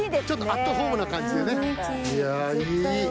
ちょっとアットホームな感じでね。